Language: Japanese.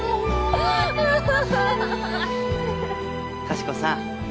かしこさん